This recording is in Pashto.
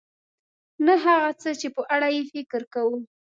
نه هغه څه چې په اړه یې فکر کوو .